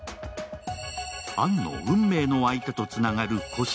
杏の運命の相手とつながる古書。